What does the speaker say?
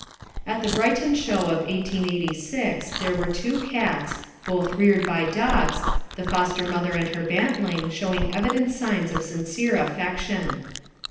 At the Brighton Show of 1886 there were two cats, both reared by dogs, the foster mother and her bantling showing evident signs of sincere affection.